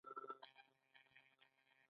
پراخ فکر د نوښت اساس جوړوي.